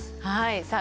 さあ